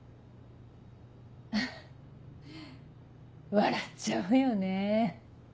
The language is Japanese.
フッ笑っちゃうよね。